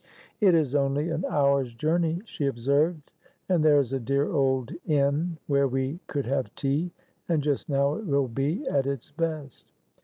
"It is only an hour's journey," she observed, "And there is a dear old inn where we could have tea. And just now it will be at its best.